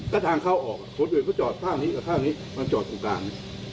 ก็ทางเข้าออกโทษด่วยก็จอดข้างนี้กับข้างนี้มันจอดตรงกลาง